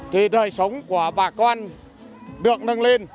thì đời sống của bà con